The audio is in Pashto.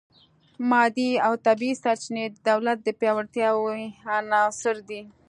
مادي او طبیعي سرچینې د دولت د پیاوړتیا عناصر دي